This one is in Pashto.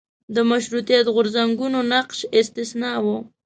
د مشروطیت غورځنګونو نقش استثنا و.